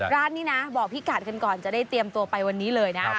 ร้านนี้นะบอกพี่กัดกันก่อนจะได้เตรียมตัวไปวันนี้เลยนะ